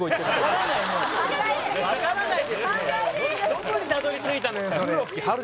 どこにたどり着いたのよ